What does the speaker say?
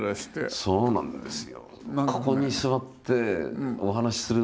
そうなんですよ。